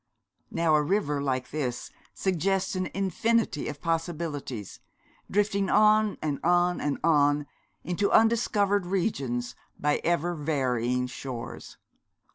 Now a river like this suggests an infinity of possibilities, drifting on and on and on into undiscovered regions, by ever varying shores.